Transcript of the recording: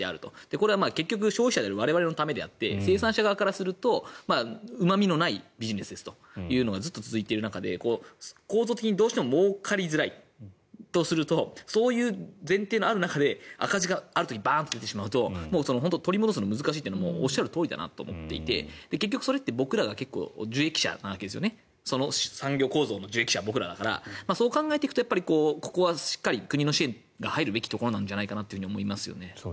これは結局、消費者である我々のためであって生産者側からするとうまみのないビジネスというのがずっと続いている中で構造的に、どうしてももうかりづらいとするとそういう前提のある中で赤字がある時にバンと出てしまうと取り戻すのが難しいのはおっしゃるとおりだなと思っていて産業構造の受益者は僕らだからそう考えていくとここはしっかり国の支援が入るべきところじゃないかなと思いますよね。